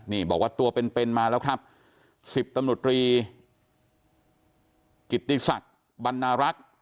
นี่บอกว่าตัวเป็นเป็นมาแล้วครับสิบตำรวจรีกิติศักดิ์บรรณรักษ์